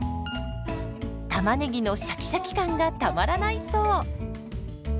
たまねぎのシャキシャキ感がたまらないそう。